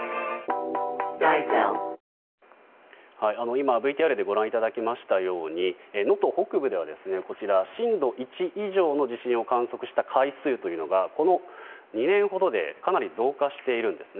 今、ＶＴＲでご覧いただきましたように能登北部では震度１以上の地震を観測した回数というのが、この２年ほどでかなり増加しています。